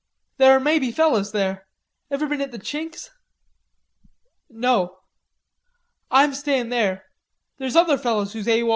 "There may be fellers there. Ever been at the Chink's?" "No." "I'm stayin' there. There're other fellers who's A.W. O.